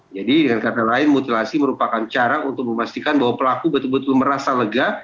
jadi dengan kata lain mutilasi merupakan cara untuk memastikan bahwa pelaku betul betul merasa lega